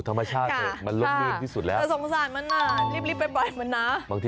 ประกวดว่ายังไง